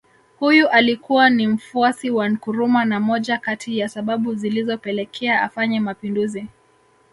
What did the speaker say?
Huyu alikuwa ni mfuasi wa Nkrumah na moja kati ya sababu zilizopelekea afanye Mapinduzi